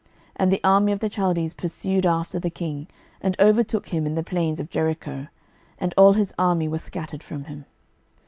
12:025:005 And the army of the Chaldees pursued after the king, and overtook him in the plains of Jericho: and all his army were scattered from him.